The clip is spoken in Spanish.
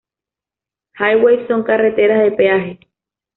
Highways son carreteras de peaje.